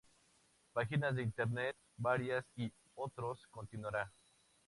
Páginas de Internet varias y otros...continuara